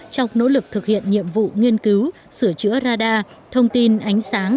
trong nỗ lực thực hiện nhiệm vụ nghiên cứu sửa chữa radar thông tin ánh sáng